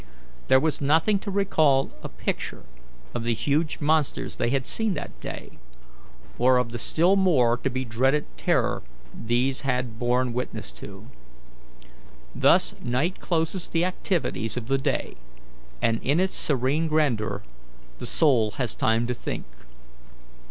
There was nothing to recall a picture of the huge monsters they had seen that day, or of the still more to be dreaded terror these had borne witness to. Thus night closes the activities of the day, and in its serene grandeur the soul has time to think.